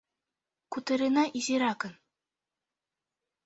— Кутырена изиракын.